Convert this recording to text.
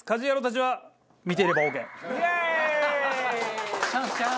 はい。